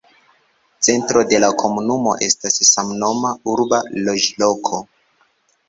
Centro de la komunumo estas samnoma urba loĝloko.